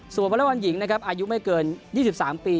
ส่วนวอเล็กบอลหญิงนะครับอายุไม่เกิน๒๓ปี